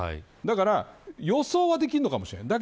だから、予想はできるのかもしれない。